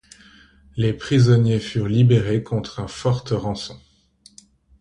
Les prisonniers furent libérés contre un forte rançon.